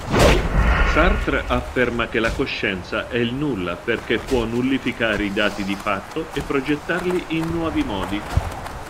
Sartre afferma che la coscienza è il nulla perché può nullificare i dati di fatto e progettarli in nuovi modi.